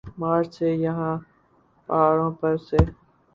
مارچ سے یہاں پہاڑوں پر سے